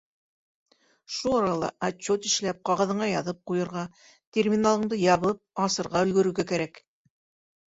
Шул арала отчет эшләп, ҡағыҙыңа яҙып ҡуйырға, терминалыңды ябып-асырға өлгөрөргә кәрәк.